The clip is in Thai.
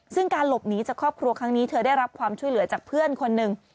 ซึ่งการหลบหนีจากครอบครัวครั้งนี้เธอได้รับความช่วยเหลือจากเพื่อนคนหนึ่ง